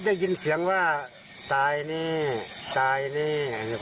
ได้ยินเสียงว่าตายแน่ตายแน่